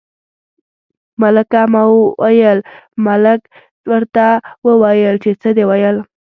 ملکه ما ویل، ملک ورته وویل چې څه دې ویل.